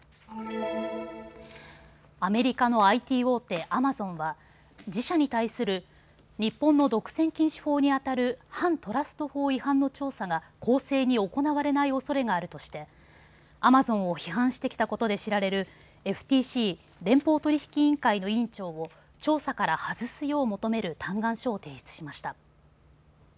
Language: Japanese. アメリカのＩＴ大手、アマゾンは自社に対する日本の独占禁止法にあたる反トラスト法違反の調査が公正に行われないおそれがあるとしてアマゾンを批判してきたことで知られるＦＴＣ・連邦取引委員会の委員長を調査から外すよう求める嘆願書を提出しました。